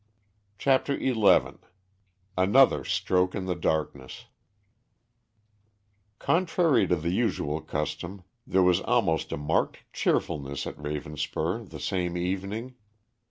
CHAPTER XI ANOTHER STROKE IN THE DARKNESS Contrary to the usual custom, there was almost a marked cheerfulness at Ravenspur the same evening.